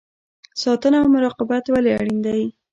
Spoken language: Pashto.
ساتنه او مراقبت ولې اړین دی؟